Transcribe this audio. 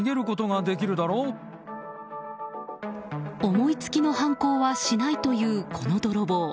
思い付きの犯行はしないというこの泥棒。